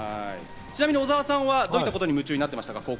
小澤さんはどういうことに夢中になっていましたか？